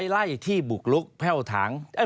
๗๒๐ไล่ที่บุกลุกเผ่าถัง